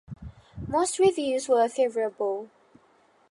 Most reviews were favorable.